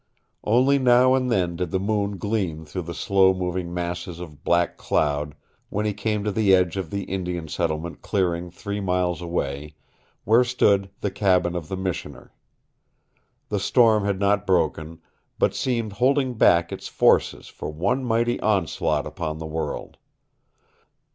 Only now and then did the moon gleam through the slow moving masses of black cloud when he came to the edge of the Indian settlement clearing three miles away, where stood the cabin of the Missioner. The storm had not broken, but seemed holding back its forces for one mighty onslaught upon the world.